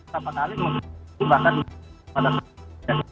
saya mau mengalih